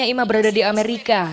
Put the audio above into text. ima berada di amerika